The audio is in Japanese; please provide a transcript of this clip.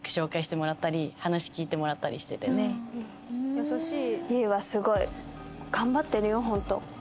優しい。